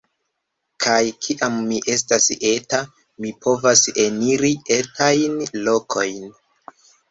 Kaj kiam mi estas eta, mi povas eniri etajn lokojn.